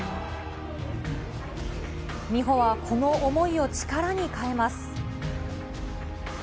美帆はこの思いを力に変えます。